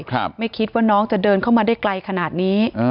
ไม่คิดว่าน้องจะเดินเข้ามาได้ไกลขนาดนี้